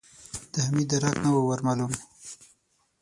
د حميد درک نه و ور مالوم.